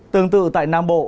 tương tự tại nam bộ